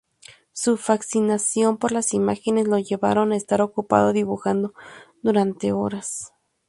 Su fascinación por las imágenes lo llevaron a estar ocupado dibujando durante horas.